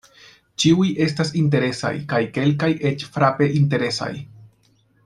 Ĉiuj estas interesaj kaj kelkaj eĉ frape interesaj.